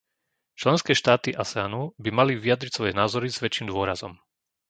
Členské štáty Aseanu by mali vyjadriť svoje názory s väčším dôrazom.